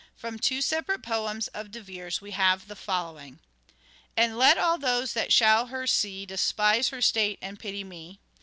From two separate poems of De Vere's we have the following :—" And let all those that shall her see Despise her state and pity me."